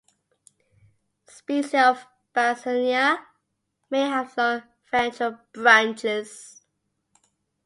Species of "Bazzania" may have long ventral branches.